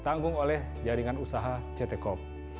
di tanggung oleh jaringan usaha ctkop